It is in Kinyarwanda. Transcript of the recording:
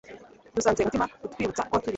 dusanze umutima utwibutsa ko turi